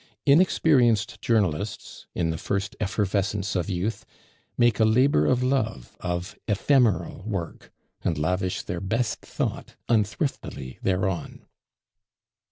Inexperienced journalists, in the first effervescence of youth, make a labor of love of ephemeral work, and lavish their best thought unthriftily thereon.